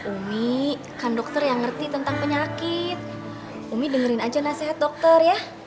umi kan dokter yang ngerti tentang penyakit umi dengerin aja nasihat dokter ya